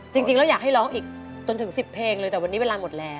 จริงแล้วอยากให้ร้องอีกจนถึง๑๐เพลงเลยแต่วันนี้เวลาหมดแล้ว